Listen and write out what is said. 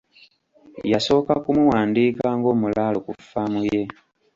Yasooka kumuwandiika ng'omulaalo ku faamu ye.